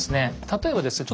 例えばですね